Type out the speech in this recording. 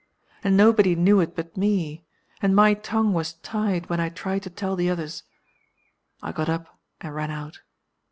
And nobody knew it but me and my tongue was tied when I tried to tell the others. I got up, and ran out.